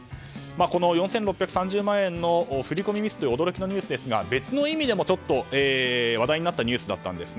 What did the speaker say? この４６３０万円の振り込みミスという驚きのニュースですが別の意味でもちょっと話題になったニュースだったんです。